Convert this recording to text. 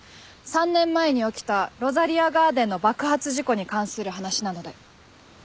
３年前に起きたロザリアガーデンの爆発事故に関する話なので。